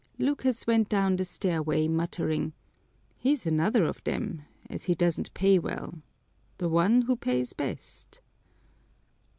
Lucas went down the stairway muttering, "He's another of them as he doesn't pay well the one who pays best!"